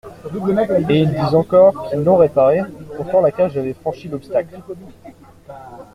Et ils disent encore qu'ils l'ont réparé ! Pourtant, la cage avait franchi l'obstacle.